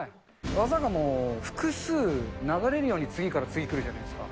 技がもう、複数流れるように次から次来るじゃないですか。